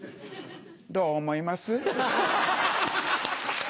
どう思います？